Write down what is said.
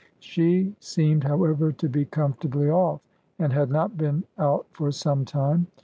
She seemed, however, to be comfortably off, and had not been out for some time.